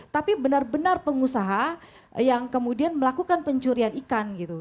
tapi benar benar pengusaha yang kemudian melakukan pencurian ikan gitu